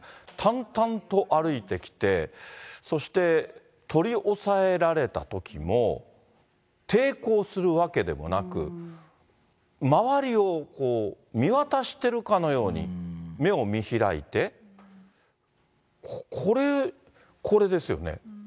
たんたんと歩いてきて、そして取り押さえられたときも、抵抗するわけでもなく、周りを見渡してるかのように目を見開いて、これですよね。